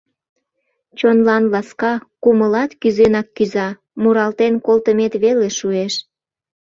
Чонлан ласка, кумылат кӱзенак кӱза, муралтен колтымет веле шуэш.